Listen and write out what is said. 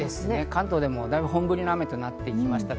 関東でもだいぶ本降りの雨となってきました。